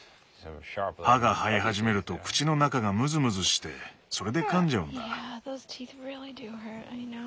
歯が生え始めると口の中がムズムズしてそれで噛んじゃうんだ。